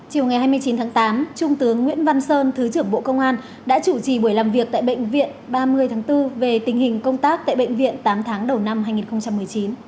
chiều ngày hai mươi chín tháng tám trung tướng nguyễn văn sơn thứ trưởng bộ công an đã chủ trì buổi làm việc tại bệnh viện ba mươi tháng bốn về tình hình công tác tại bệnh viện tám tháng đầu năm hai nghìn một mươi chín